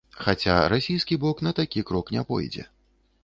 Хаця расійскі бок на такі крок не пойдзе.